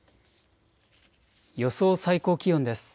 予想最高気温です。